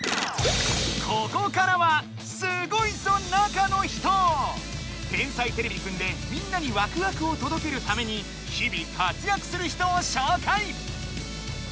ここからは「天才てれびくん」でみんなにワクワクをとどけるために日々活やくする人をしょうかい！